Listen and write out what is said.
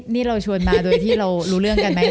นี่เราชวนมาโดยที่เรารู้เรื่องกันไหม